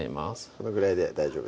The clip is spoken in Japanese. このぐらいで大丈夫でしょうか？